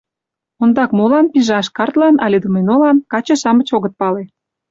Ондак молан пижаш — картлан але доминолан — каче-шамыч огыт пале.